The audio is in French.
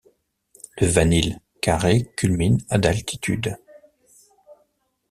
Le Vanil Carré culmine à d'altitude.